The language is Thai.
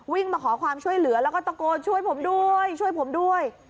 มาขอความช่วยเหลือแล้วก็ตะโกนช่วยผมด้วยช่วยผมด้วย